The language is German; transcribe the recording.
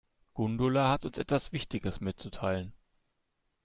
Gundula hat uns etwas Wichtiges mitzuteilen.